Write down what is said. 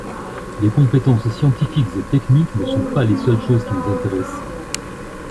Les compétences scientifiques et techniques ne sont pas les seules choses qui nous intéressent.